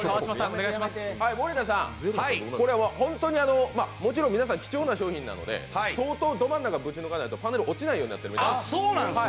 森田さん、もちろん皆さん貴重な商品なので相当、ど真ん中ぶち抜かないとパネル落ちないようになってるみたいです。